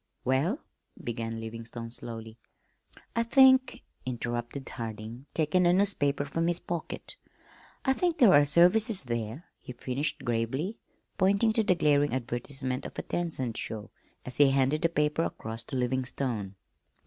"Well," began Livingstone slowly. "I think," interrupted Harding, taking a newspaper from his pocket, "I think there are services there," he finished gravely, pointing to the glaring advertisement of a ten cent show, as he handed the paper across to Livingstone.